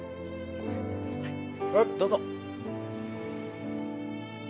どうぞ。